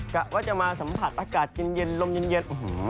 กะว่าจะมาสัมผัสอากาศเย็นลมเย็น